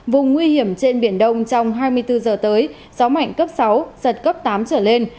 vùng nguy hiểm trên biển đông trong hai mươi bốn giờ tới gió mạnh cấp sáu giật cấp tám trở lên